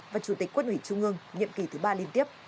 và chủ tịch quân ủy trung ương nhiệm kỳ thứ ba liên tiếp